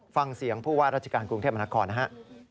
ฟังเสียงผู้ว่าราชการกรุงเทพมนาคมนะฮะ